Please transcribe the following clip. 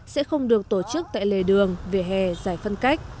sẽ không được tổ chức tại lề đường về hè giải phân cách